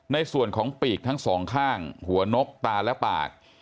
ในส่วนของปีกทั้งสองข้างหัวนกตาและปาก